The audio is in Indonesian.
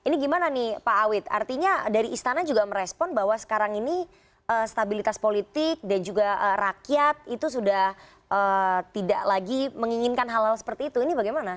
ini gimana nih pak awid artinya dari istana juga merespon bahwa sekarang ini stabilitas politik dan juga rakyat itu sudah tidak lagi menginginkan hal hal seperti itu ini bagaimana